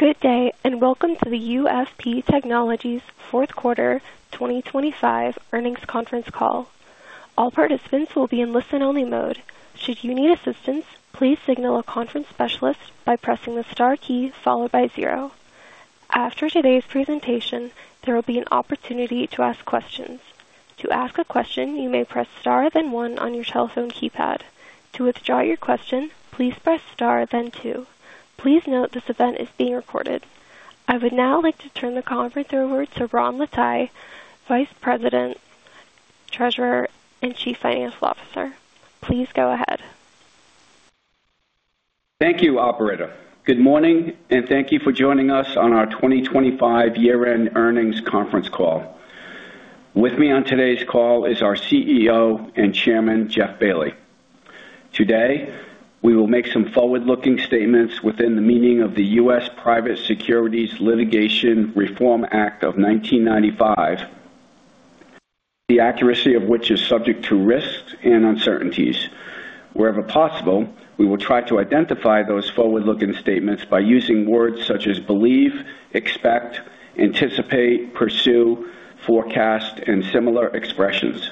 Good day, welcome to the UFP Technologies fourth quarter 2025 earnings conference call. All participants will be in listen-only mode. Should you need assistance, please signal a conference specialist by pressing the star key followed by zero. After today's presentation, there will be an opportunity to ask questions. To ask a question, you may press star, then one on your telephone keypad. To withdraw your question, please press star, then two. Please note this event is being recorded. I would now like to turn the conference over to Ron Lataille, Vice President, Treasurer, and Chief Financial Officer. Please go ahead. Thank you, operator. Good morning, and thank you for joining us on our 2025 year-end earnings conference call. With me on today's call is our CEO and Chairman, Jeff Bailly. Today, we will make some forward-looking statements within the meaning of the U.S. Private Securities Litigation Reform Act of 1995, the accuracy of which is subject to risks and uncertainties. Wherever possible, we will try to identify those forward-looking statements by using words such as believe, expect, anticipate, pursue, forecast, and similar expressions.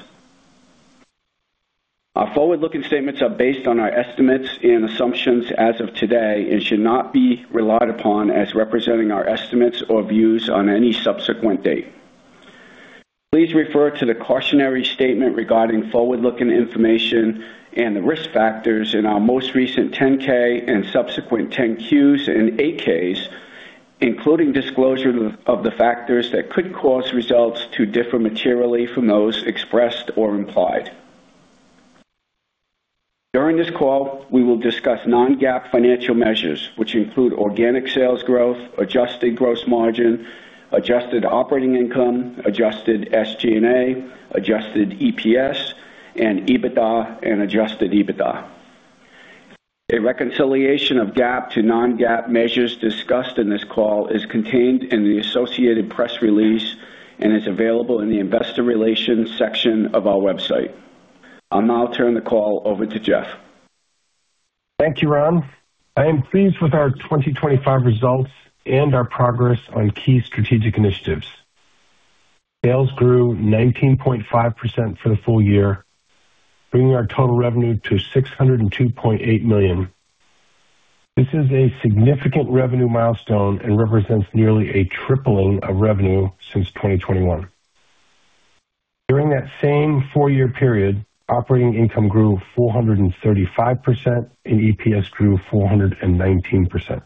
Our forward-looking statements are based on our estimates and assumptions as of today and should not be relied upon as representing our estimates or views on any subsequent date. Please refer to the cautionary statement regarding forward-looking information and the risk factors in our most recent 10-K and subsequent 10-Qs and 8-Ks, including disclosure of the factors that could cause results to differ materially from those expressed or implied. During this call, we will discuss non-GAAP financial measures, which include organic sales growth, adjusted gross margin, adjusted operating income, adjusted SG&A, adjusted EPS, and EBITDA and adjusted EBITDA. A reconciliation of GAAP to non-GAAP measures discussed in this call is contained in the associated press release and is available in the Investor Relations section of our website. I'll now turn the call over to Jeff. Thank you, Ron. I am pleased with our 2025 results and our progress on key strategic initiatives. Sales grew 19.5% for the full year, bringing our total revenue to $602.8 million. This is a significant revenue milestone and represents nearly a tripling of revenue since 2021. During that same four-year period, operating income grew 435%, and EPS grew 419%.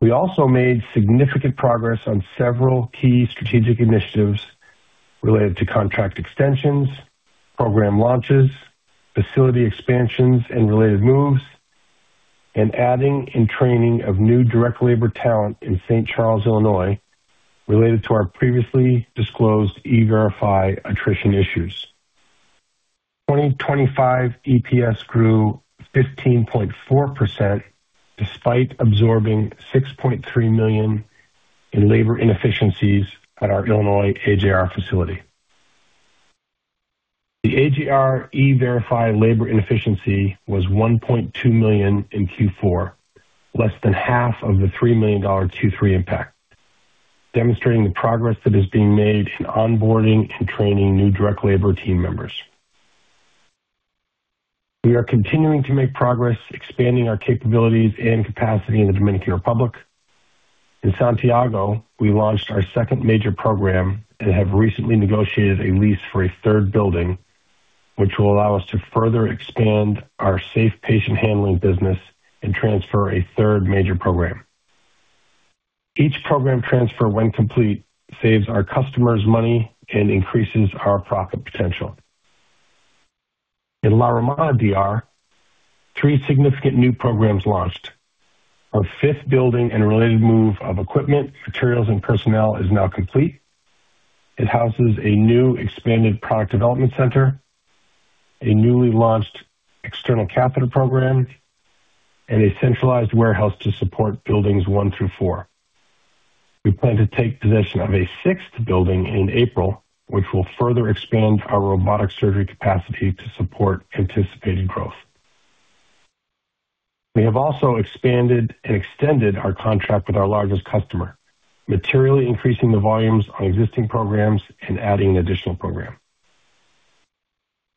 We also made significant progress on several key strategic initiatives related to contract extensions, program launches, facility expansions and related moves, and adding and training of new direct labor talent in St. Charles, Illinois, related to our previously disclosed E-Verify attrition issues. 2025 EPS grew 15.4%, despite absorbing $6.3 million in labor inefficiencies at our Illinois AJR facility. The AJR E-Verify labor inefficiency was $1.2 million in Q4, less than half of the $3 million Q3 impact, demonstrating the progress that is being made in onboarding and training new direct labor team members. We are continuing to make progress, expanding our capabilities and capacity in the Dominican Republic. In Santiago, we launched our second major program and have recently negotiated a lease for a third building, which will allow us to further expand our safe patient handling business and transfer a third major program. Each program transfer, when complete, saves our customers money and increases our profit potential. In La Romana, D.R., three significant new programs launched. Our fifth building and related move of equipment, materials, and personnel is now complete. It houses a new expanded product development center, a newly launched external capital program, and a centralized warehouse to support buildings one through four. We plan to take possession of a sixth building in April, which will further expand our robotic surgery capacity to support anticipated growth. We have also expanded and extended our contract with our largest customer, materially increasing the volumes on existing programs and adding an additional program.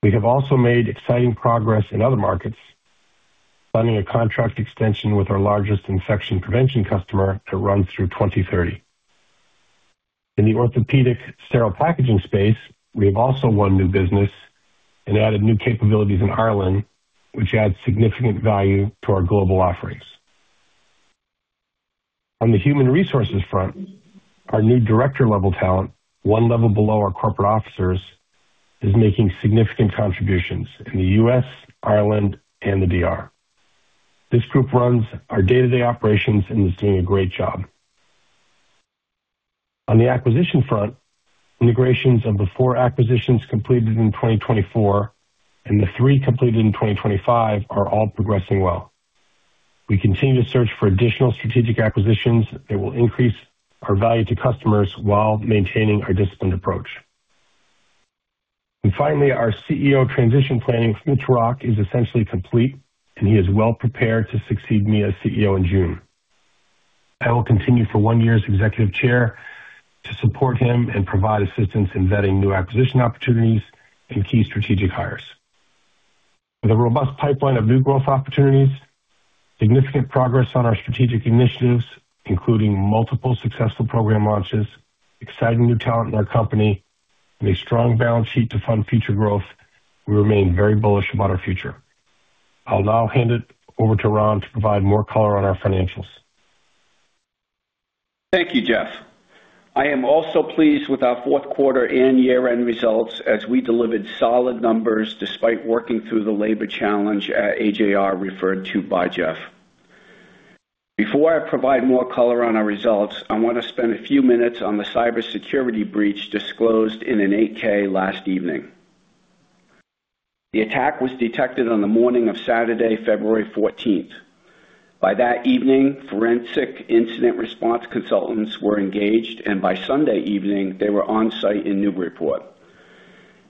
We have also made exciting progress in other markets, funding a contract extension with our largest infection prevention customer that runs through 2030. In the orthopedic sterile packaging space, we have also won new business and added new capabilities in Ireland, which adds significant value to our global offerings. On the human resources front, our new director-level talent, one level below our corporate officers, is making significant contributions in the U.S., Ireland, and the D.R. This group runs our day-to-day operations and is doing a great job. On the acquisition front, integrations of the four acquisitions completed in 2024 and the three completed in 2025 are all progressing well. We continue to search for additional strategic acquisitions that will increase our value to customers while maintaining our disciplined approach. Finally, our CEO transition planning with Mitch Rock is essentially complete, and he is well prepared to succeed me as CEO in June. I will continue for 1 year as executive chair to support him and provide assistance in vetting new acquisition opportunities and key strategic hires. With a robust pipeline of new growth opportunities, significant progress on our strategic initiatives, including multiple successful program launches, exciting new talent in our company, and a strong balance sheet to fund future growth, we remain very bullish about our future. I'll now hand it over to Ron to provide more color on our financials. Thank you, Jeff. I am also pleased with our fourth quarter and year-end results as we delivered solid numbers despite working through the labor challenge at AJR, referred to by Jeff. Before I provide more color on our results, I want to spend a few minutes on the cybersecurity breach disclosed in an 8-K last evening. The attack was detected on the morning of Saturday, February 14th. By that evening, forensic incident response consultants were engaged, and by Sunday evening, they were on site in Newburyport.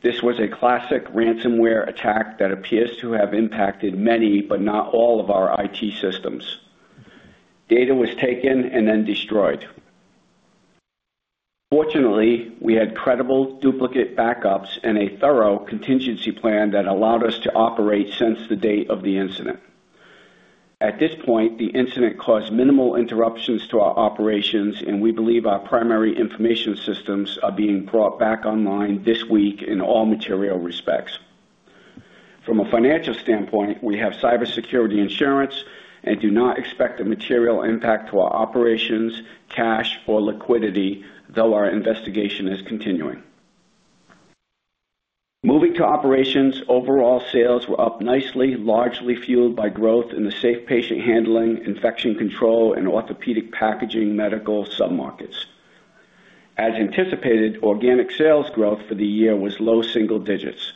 This was a classic ransomware attack that appears to have impacted many, but not all, of our IT systems. Data was taken and then destroyed. Fortunately, we had credible duplicate backups and a thorough contingency plan that allowed us to operate since the date of the incident. At this point, the incident caused minimal interruptions to our operations, and we believe our primary information systems are being brought back online this week in all material respects. From a financial standpoint, we have cybersecurity insurance and do not expect a material impact to our operations, cash or liquidity, though our investigation is continuing. Moving to operations, overall sales were up nicely, largely fueled by growth in the safe patient handling, infection control, and orthopedic packaging medical submarkets. As anticipated, organic sales growth for the year was low single digits.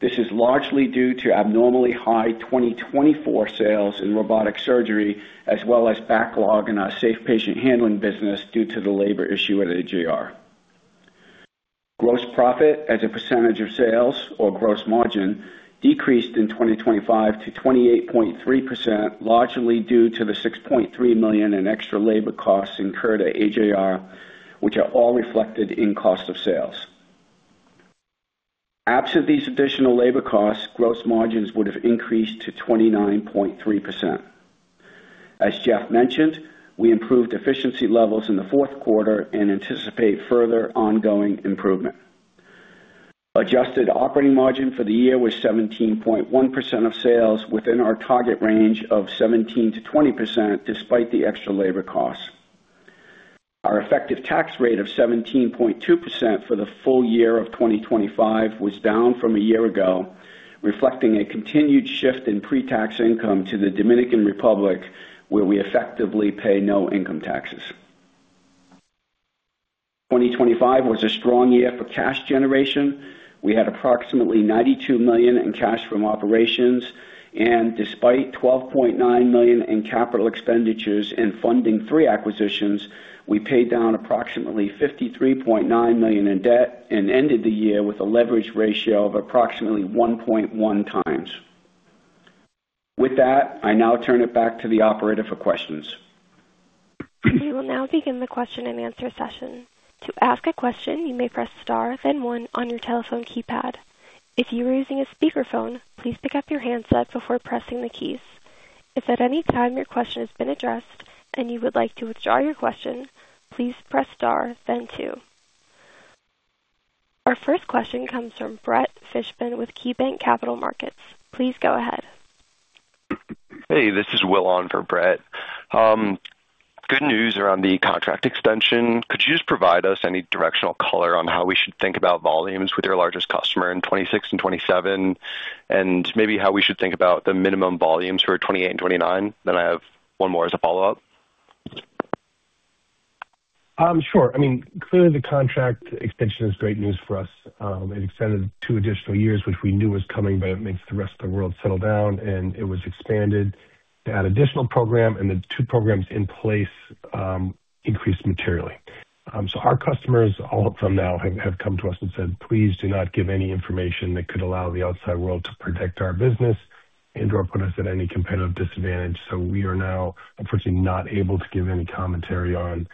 This is largely due to abnormally high 2024 sales in robotic surgery, as well as backlog in our safe patient handling business due to the labor issue at AJR. Gross profit as a percentage of sales or gross margin decreased in 2025 to 28.3%, largely due to the $6.3 million in extra labor costs incurred at AJR, which are all reflected in cost of sales. Absent these additional labor costs, gross margins would have increased to 29.3%. As Jeff mentioned, we improved efficiency levels in the fourth quarter and anticipate further ongoing improvement. Adjusted operating margin for the year was 17.1% of sales, within our target range of 17%-20%, despite the extra labor costs. Our effective tax rate of 17.2% for the full year of 2025 was down from a year ago, reflecting a continued shift in pre-tax income to the Dominican Republic, where we effectively pay no income taxes. 2025 was a strong year for cash generation. We had approximately $92 million in cash from operations, despite $12.9 million in capital expenditures and funding three acquisitions, we paid down approximately $53.9 million in debt and ended the year with a leverage ratio of approximately 1.1 times. With that, I now turn it back to the operator for questions. We will now begin the question and answer session. To ask a question, you may press star then one on your telephone keypad. If you are using a speakerphone, please pick up your handset before pressing the keys. If at any time your question has been addressed and you would like to withdraw your question, please press star then two. Our first question comes from Brett Fishman with KeyBanc Capital Markets. Please go ahead. Hey, this is Will on for Brett. Good news around the contract extension. Could you just provide us any directional color on how we should think about volumes with your largest customer in 2026 and 2027, and maybe how we should think about the minimum volumes for 2028 and 2029? I have 1 more as a follow-up. Sure. I mean, clearly the contract extension is great news for us. It extended two additional years, which we knew was coming, but it makes the rest of the world settle down, and it was expanded to add additional program, and the two programs in place, increased materially. Our customers, all of them now, have come to us and said, "Please do not give any information that could allow the outside world to protect our business and or put us at any competitive disadvantage." We are now unfortunately not able to give any commentary on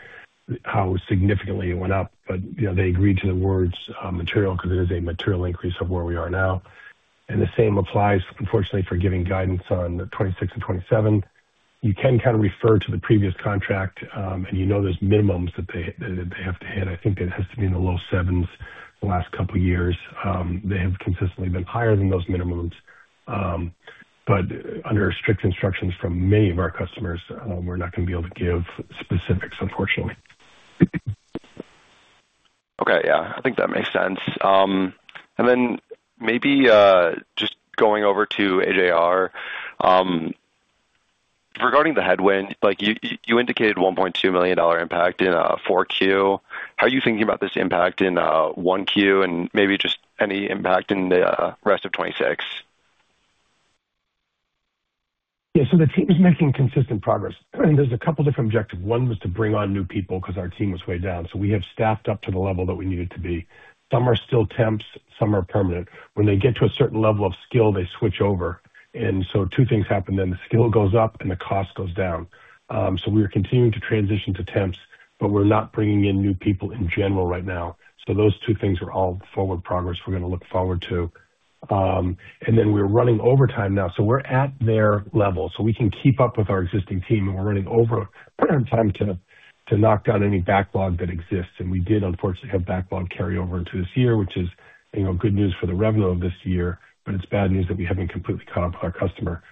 how significantly it went up. You know, they agreed to the words, material, because it is a material increase of where we are now. The same applies, unfortunately, for giving guidance on 2026 and 2027. You can kind of refer to the previous contract, and you know, there's minimums that they have to hit. I think it has to be in the low sevens the last couple of years. They have consistently been higher than those minimums. Under strict instructions from many of our customers, we're not going to be able to give specifics, unfortunately. Okay. Yeah, I think that makes sense. Maybe, just going over to AJR, regarding the headwind, like you indicated a $1.2 million impact in 4Q. How are you thinking about this impact in 1Q and maybe just any impact in the rest of 2026? Yeah, the team is making consistent progress, and there's a couple different objectives. One was to bring on new people because our team was way down. We have staffed up to the level that we needed to be. Some are still temps, some are permanent. When they get to a certain level of skill, they switch over. Two things happen then. The skill goes up, and the cost goes down. We are continuing to transition to temps, but we're not bringing in new people in general right now. Those two things are all forward progress we're going to look forward to. We're running overtime now, so we're at their level, so we can keep up with our existing team, and we're running overtime to knock down any backlog that exists. We did, unfortunately, have backlog carry over into this year, which is, you know, good news for the revenue of this year, but it's bad news that we haven't completely caught up with our customer.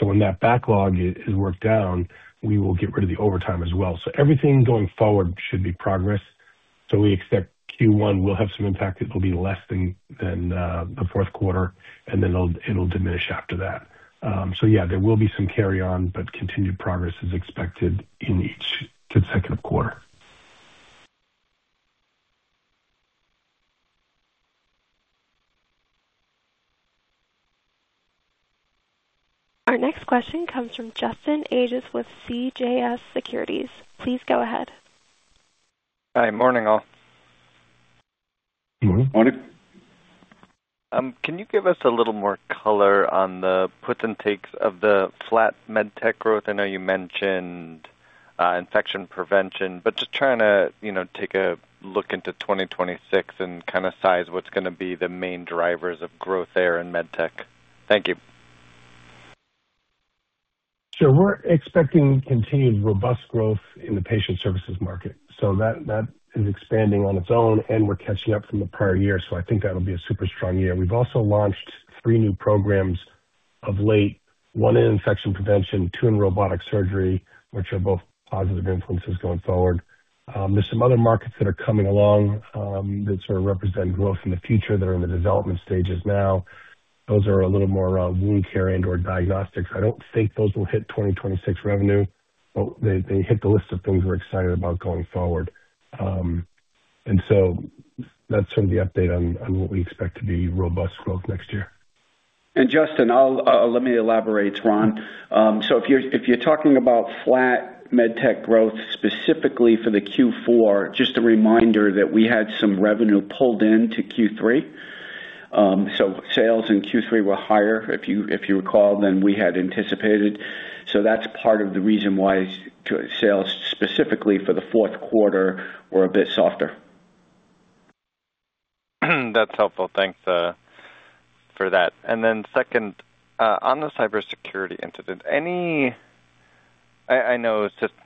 When that backlog is worked down, we will get rid of the overtime as well. Everything going forward should be progress. We expect Q1 will have some impact. It will be less than the fourth quarter, and then it'll diminish after that. Yeah, there will be some carry on, but continued progress is expected in each consecutive quarter. Our next question comes from Justin Ages with CJS Securities. Please go ahead. Hi. Morning, all. Morning. Morning. Can you give us a little more color on the puts and takes of the flat med tech growth? I know you mentioned infection prevention, just trying to, you know, take a look into 2026 and kind of size what's going to be the main drivers of growth there in med tech. Thank you. We're expecting continued robust growth in the patient services market, that is expanding on its own, and we're catching up from the prior year. I think that'll be a super strong year. We've also launched three new programs of late, one in infection prevention, two in robotic surgery, which are both positive influences going forward. There's some other markets that are coming along, that sort of represent growth in the future, that are in the development stages now. Those are a little more, wound care and/or diagnostics. I don't think those will hit 2026 revenue. Well, they hit the list of things we're excited about going forward. That's sort of the update on what we expect to be robust growth next year. Justin, I'll let me elaborate, Ron. If you're talking about flat med tech growth, specifically for the Q4, just a reminder that we had some revenue pulled into Q3. Sales in Q3 were higher, if you recall, than we had anticipated. That's part of the reason why sales, specifically for the fourth quarter, were a bit softer. That's helpful. Thanks for that. Second, on the cybersecurity incident,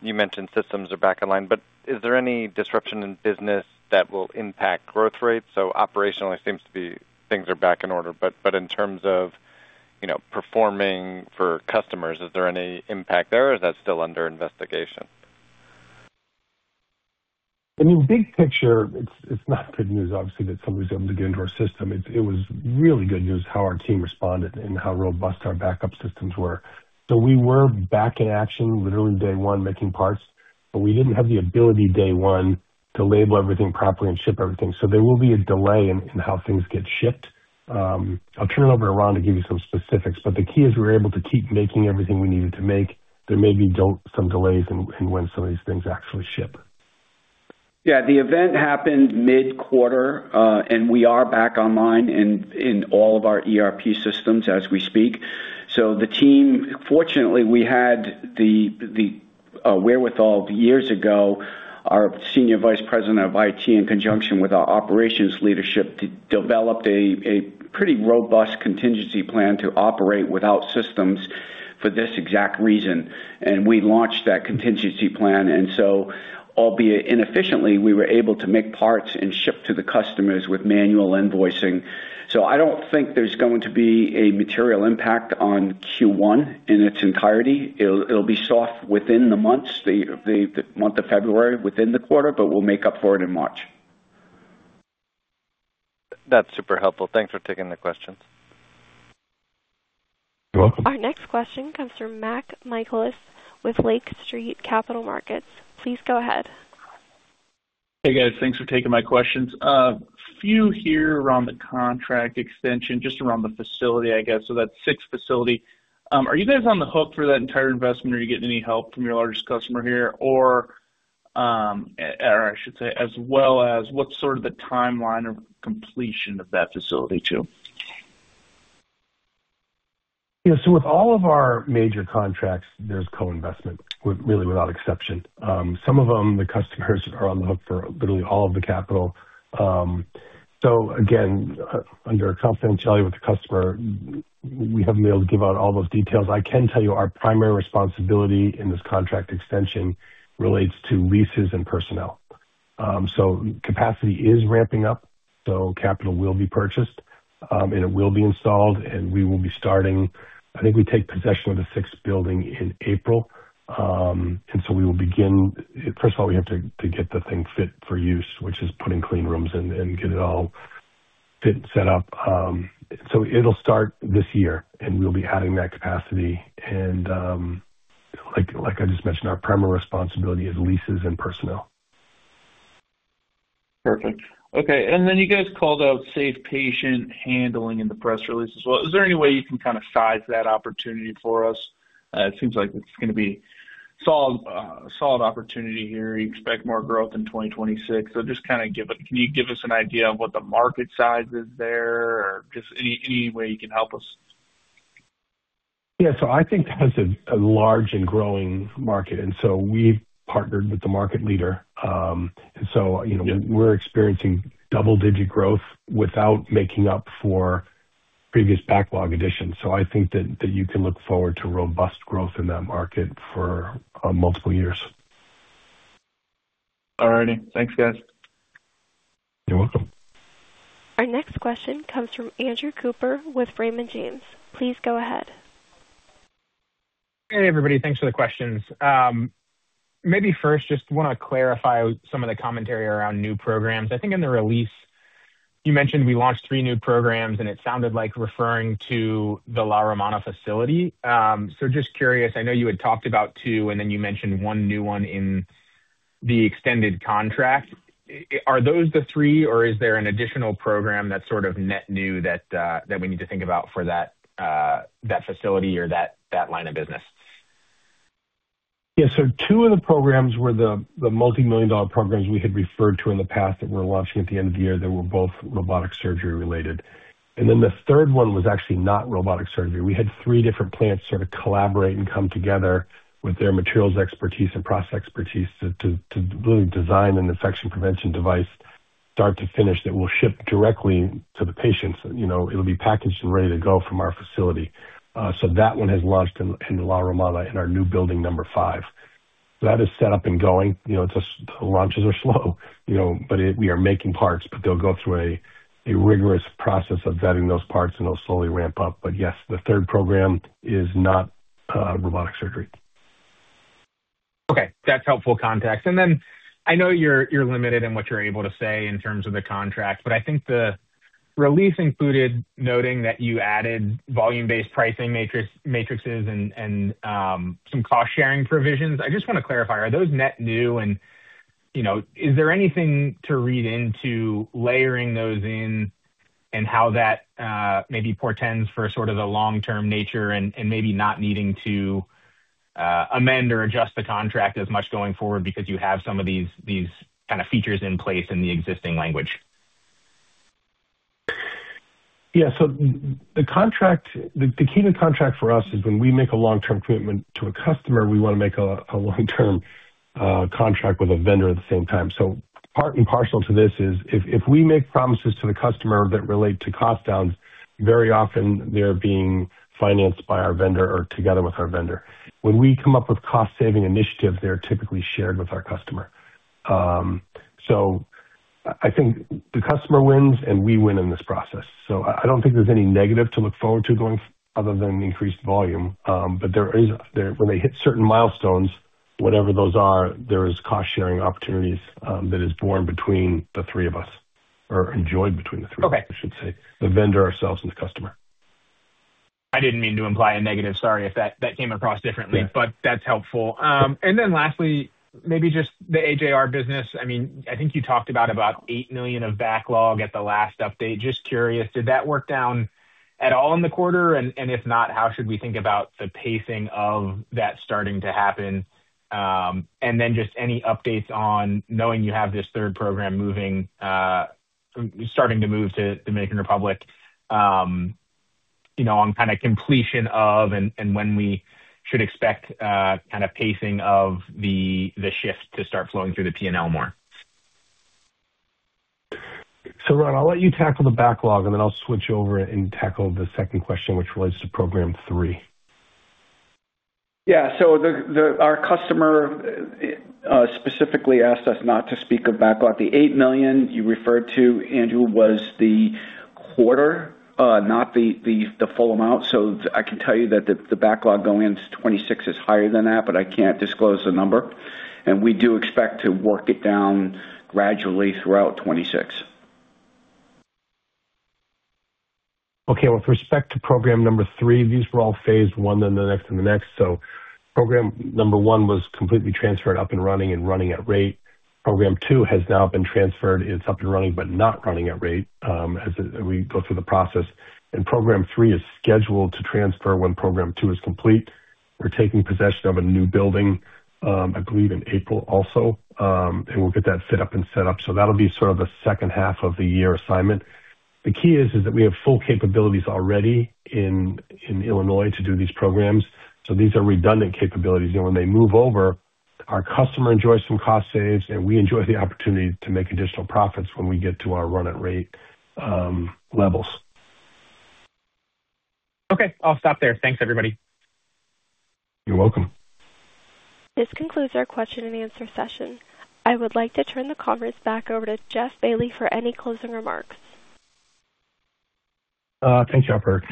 you mentioned systems are back online, but is there any disruption in business that will impact growth rates? Operationally seems to be things are back in order, but in terms of, you know, performing for customers, is there any impact there, or is that still under investigation? I mean, big picture, it's not good news, obviously, that somebody's able to get into our system. It was really good news, how our team responded and how robust our backup systems were. We were back in action literally day one, making parts, but we didn't have the ability, day one, to label everything properly and ship everything. There will be a delay in how things get shipped. I'll turn it over to Ron to give you some specifics, but the key is we were able to keep making everything we needed to make. There may be some delays in when some of these things actually ship. Yeah, the event happened mid-quarter, we are back online in all of our ERP systems as we speak. The team, fortunately, we had the wherewithal years ago, our Senior Vice President of IT, in conjunction with our operations leadership, developed a pretty robust contingency plan to operate without systems for this exact reason, and we launched that contingency plan. Albeit inefficiently, we were able to make parts and ship to the customers with manual invoicing. I don't think there's going to be a material impact on Q1 in its entirety. It'll be soft within the month of February, within the quarter, but we'll make up for it in March. That's super helpful. Thanks for taking the questions. You're welcome. Our next question comes from Max Michaelis with Lake Street Capital Markets. Please go ahead. Hey, guys. Thanks for taking my questions. A few here around the contract extension, just around the facility, I guess. That's sixth facility. Are you guys on the hook for that entire investment, or are you getting any help from your largest customer here? I should say, as well as what's sort of the timeline of completion of that facility, too? Yeah. With all of our major contracts, there's co-investment, with really, without exception. Some of them, the customers are on the hook for literally all of the capital. Again, under confidentiality with the customer, we haven't been able to give out all those details. I can tell you our primary responsibility in this contract extension relates to leases and personnel. Capacity is ramping up, so capital will be purchased, and it will be installed, and we will be starting, I think we take possession of the sixth building in April. We will begin, first of all, we have to get the thing fit for use, which is put in clean rooms and get it all fit and set up. It'll start this year, and we'll be adding that capacity, and, like I just mentioned, our primary responsibility is leases and personnel. Perfect. Okay, you guys called out safe patient handling in the press release as well. Is there any way you can kind of size that opportunity for us? It seems like it's going to be solid opportunity here. You expect more growth in 2026. Just kind of give us, can you give us an idea of what the market size is there or just any way you can help us? Yeah, I think that's a large and growing market. We've partnered with the market leader. You know, we're experiencing double-digit growth without making up for previous backlog additions. I think that you can look forward to robust growth in that market for multiple years. All righty. Thanks, guys. You're welcome. Our next question comes from Andrew Cooper with Raymond James. Please go ahead. Hey, everybody. Thanks for the questions. Maybe first, just want to clarify some of the commentary around new programs. I think in the release you mentioned, we launched three new programs. It sounded like referring to the La Romana facility. Just curious, I know you had talked about two, and then you mentioned one new one in the extended contract. Are those the three, or is there an additional program that's sort of net new that we need to think about for that facility or that line of business? Yeah. Two of the programs were the multimillion dollar programs we had referred to in the past that we're launching at the end of the year. They were both robotic surgery related. The 3rd one was actually not robotic surgery. We had three different plants sort of collaborate and come together with their materials expertise and process expertise to really design an infection prevention device, start to finish, that will ship directly to the patients. You know, it'll be packaged and ready to go from our facility. That one has launched in La Romana, in our new building number five. That is set up and going, you know, just the launches are slow, you know, but we are making parts, but they'll go through a rigorous process of vetting those parts, and they'll slowly ramp up. Yes, the third program is not, robotic surgery. Okay, that's helpful context. I know you're limited in what you're able to say in terms of the contract, but I think the release included noting that you added volume-based pricing matrix, matrices and some cost-sharing provisions. I just want to clarify, are those net new, and, you know, is there anything to read into layering those in and how that maybe portends for sort of the long-term nature and maybe not needing to amend or adjust the contract as much going forward because you have some of these kind of features in place in the existing language? Yeah. The contract, the key to the contract for us is when we make a long-term commitment to a customer, we want to make a long-term contract with a vendor at the same time. Part and parcel to this is if we make promises to the customer that relate to cost downs, very often they're being financed by our vendor or together with our vendor. When we come up with cost saving initiatives, they're typically shared with our customer. I think the customer wins, and we win in this process. I don't think there's any negative to look forward to going other than increased volume. There is, when they hit certain milestones, whatever those are, there is cost-sharing opportunities that is born between the three of us, or enjoyed between the three of us. Okay. I should say, the vendor, ourselves, and the customer. I didn't mean to imply a negative. Sorry if that came across differently. Yeah. That's helpful. Lastly, maybe just the AJR business. I mean, I think you talked about $8 million of backlog at the last update. Just curious, did that work down at all in the quarter? If not, how should we think about the pacing of that starting to happen? Then just any updates on knowing you have this third program moving, starting to move to Dominican Republic, you know, on kind of completion of and, when we should expect kind of pacing of the shift to start flowing through the P&L more? Ron, I'll let you tackle the backlog, and then I'll switch over and tackle the second question, which relates to program three. Our customer specifically asked us not to speak of backlog. The $8 million you referred to, Andrew, was the quarter, not the full amount. I can tell you that the backlog going into 2026 is higher than that, but I can't disclose the number. We do expect to work it down gradually throughout 2026. Okay. With respect to program number three, these were all phased 1, then the next, and the next. Program number one was completely transferred, up and running, and running at rate. Program two has now been transferred. It's up and running, but not running at rate, as we go through the process. Program three is scheduled to transfer when program two is complete. We're taking possession of a new building, I believe in April also, and we'll get that fit up and set up. That'll be sort of the second half of the year assignment. The key is that we have full capabilities already in Illinois to do these programs. These are redundant capabilities, and when they move over, our customer enjoys some cost saves, and we enjoy the opportunity to make additional profits when we get to our run-at-rate levels. Okay, I'll stop there. Thanks, everybody. You're welcome. This concludes our question and answer session. I would like to turn the conference back over to Jeff Bailly for any closing remarks. Thank you, operator.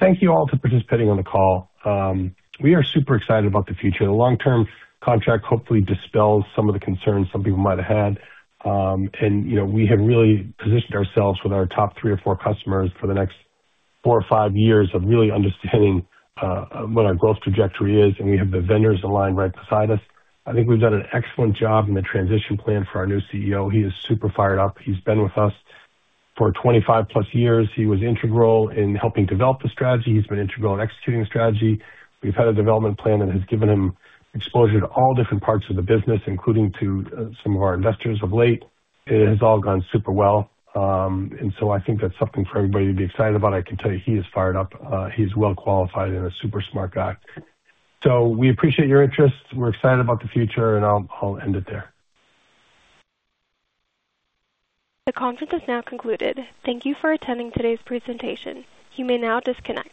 Thank you all for participating on the call. We are super excited about the future. The long-term contract hopefully dispels some of the concerns some people might have had. You know, we have really positioned ourselves with our top three or four customers for the next 4 years or 5 years of really understanding what our growth trajectory is, and we have the vendors aligned right beside us. I think we've done an excellent job in the transition plan for our new CEO. He is super fired up. He's been with us for 25+ years. He was integral in helping develop the strategy. He's been integral in executing the strategy. We've had a development plan that has given him exposure to all different parts of the business, including to some of our investors of late. It has all gone super well. I think that's something for everybody to be excited about. I can tell you he is fired up. He's well qualified and a super smart guy. We appreciate your interest. We're excited about the future, I'll end it there. The conference is now concluded. Thank you for attending today's presentation. You may now disconnect.